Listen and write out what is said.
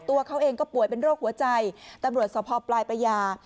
ตัวเขาเองก็ป่วยเป็นโรคหัวใจตำรวจสภปลายประยา